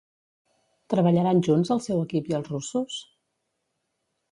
Treballaran junts el seu equip i els russos?